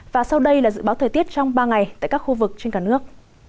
và sau đây là dự báo thời tiết trong ba ngày tại các khu vực trên cả nước